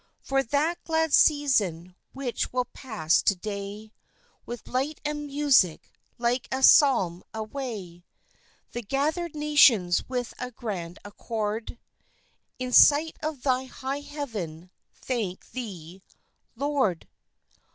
For that glad season which will pass to day With light and music like a psalm away, The gathered nations with a grand accord, In sight of Thy high heaven, thank Thee, Lord!